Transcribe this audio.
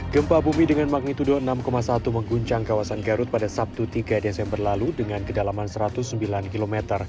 gempa bumi dengan magnitudo enam satu mengguncang kawasan garut pada sabtu tiga desember lalu dengan kedalaman satu ratus sembilan km